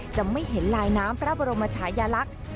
จะไม่เห็นลายน้ำพระบรมชายลักษณ์